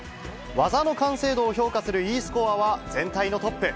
技の完成度を評価するＥスコアは全体のトップ。